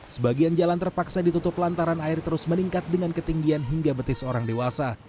sebagian jalan terpaksa ditutup lantaran air terus meningkat dengan ketinggian hingga betis orang dewasa